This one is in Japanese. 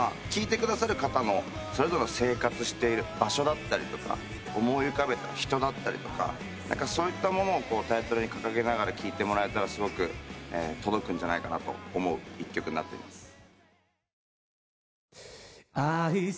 聴いてくださる方のそれぞれの生活している場所だったりとか思い浮かべた人だったりとかそういったものをタイトルに掲げながら聴いてもらえたらすごく届くんじゃないかなと思う１曲になってます。